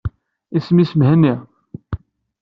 Isem-is Mhenni.